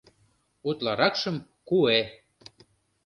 Утларакшым — куэ.